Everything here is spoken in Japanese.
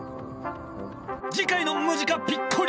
次回の「ムジカ・ピッコリーノ」は！